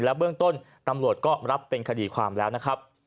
เบื้องต้นตำรวจก็รับเป็นคดีความแล้วนะครับ